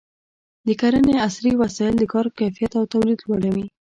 د کرنې عصري وسایل د کار کیفیت او تولید لوړوي.